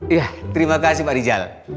iya terima kasih pak dijal